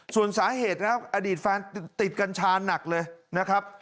ส่วนสาเหตุอดีตฟันติดกัญชานักเลยนะครับ